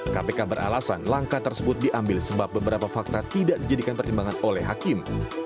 kpk beralasan langkah tersebut diambil sebab beberapa fakta tidak dijadikan pertimbangan oleh hakim